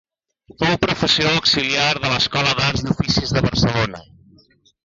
Fou professor auxiliar de l'Escola d'Arts i Oficis de Barcelona.